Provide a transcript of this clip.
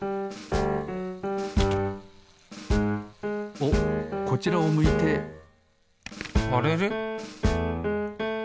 おっこちらを向いてあれれ？